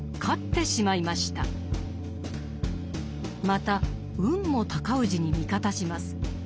また運も尊氏に味方します。